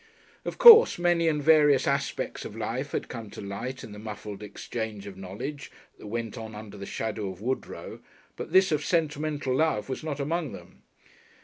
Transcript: Of course many and various aspects of life had come to light in the muffled exchange of knowledge that went on under the shadow of Woodrow, but this of Sentimental Love was not among them.